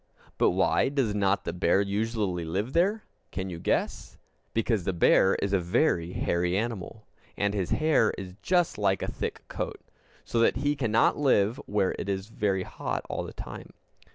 But why does not the bear usually live there? Can you guess? Because the bear is a very hairy animal; and his hair is just like a thick coat, so that he cannot live where it is very hot all the time.